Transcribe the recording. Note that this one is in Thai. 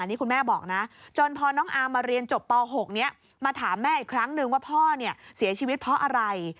นี่คุณแม่บอกนะจนพอน้องอามมาเรียนจบป๖นี้มาถามแม่อีกครั้งนึงว่าพ่อเนี่ยเสียชีวิตเพราะอะไร